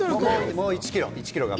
もう１キロ！